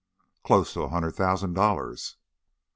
"Close to a hundred thousand dollars."